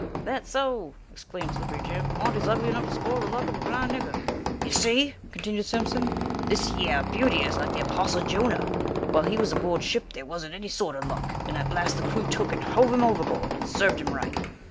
"That's so!" exclaimed Slippery Jim. "Monty is ugly enough to spoil the luck of a blind nigger." "You see," continued Simpson, "thishyer beauty is like the Apostle Jonah. While he was aboard ship there wasn't any sort of luck, and at last the crew took and hove him overboard, and served him right.